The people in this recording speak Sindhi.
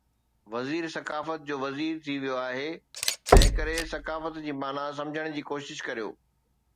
وزير ثقافت جو وزير ٿي ويو آهي، تنهنڪري ثقافت جي معنيٰ سمجهڻ جي ڪوشش ڪريو.